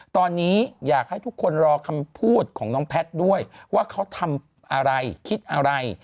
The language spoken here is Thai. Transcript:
ตอนนี้อยากให้ทุกคนรอคำพูดของน้องแพทย์ด้วยว่าเขาทำอะไรคิดอะไร